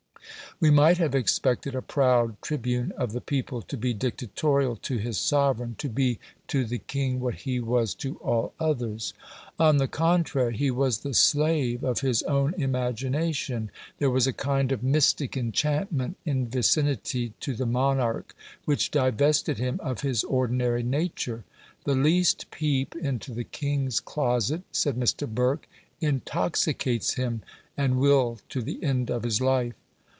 We might have expected a proud tribune of the people to be dictatorial to his sovereign to be to the king what he was to all others. On the contrary, he was the slave of his own imagination; there was a kind of mystic enchantment in vicinity to the monarch which divested him of his ordinary nature. "The least peep into the king's closet," said Mr. Burke, "intoxicates him, and will to the end of his life."